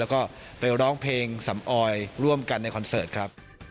แล้วก็ไปร้องเพลงสำออยร่วมกันในคอนเสิร์ตครับ